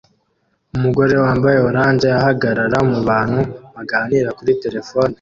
Umugore wambaye orange ahagarara mubantu baganira kuri terefone